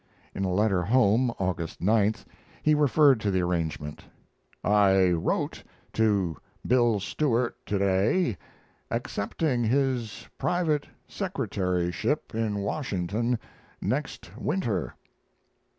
[In a letter home, August 9th, he referred to the arrangement: "I wrote to Bill Stewart to day accepting his private secretaryship in Washington, next winter."